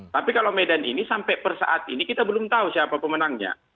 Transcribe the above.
tapi kalau medan ini sampai per saat ini kita belum tahu siapa pemenangnya